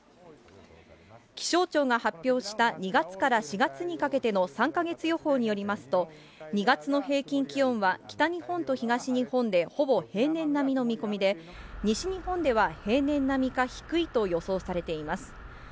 気象庁が発表した２月から４月にかけての３か月予報によりますと、２月の平均気温は北日本と東日本でほぼ平年並みの見込みで、西日本では平年並みか低いと予想されています。